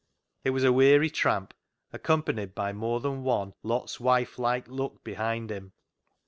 It was a weary tramp, accompanied by more than one Lot's wife like look behind him.